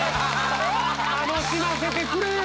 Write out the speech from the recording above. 楽しませてくれよ。